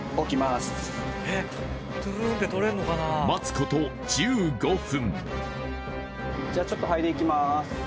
待つこと１５分。